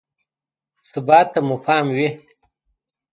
ثبات ته مو پام نه وي.